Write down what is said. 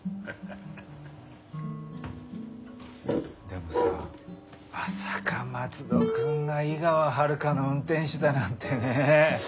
でもさまさか松戸君が井川遥の運転手だなんてね。